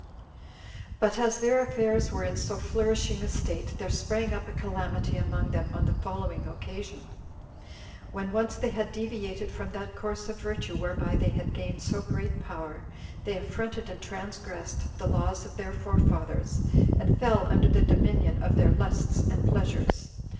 5. But as their affairs were in so flourishing a state, there sprang up a calamity among them on the following occasion. When once they had deviated from that course of virtue whereby they had gained so great power, they affronted and transgressed the laws of their forefathers, and fell under the dominion of their lusts and pleasures.